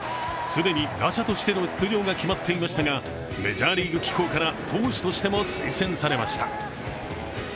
既に打者としての出場が決まっていましたがメジャーリーグ機構から投手としても推薦されました。